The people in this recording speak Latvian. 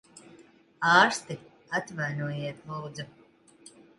Ārsti! Atvainojiet, lūdzu.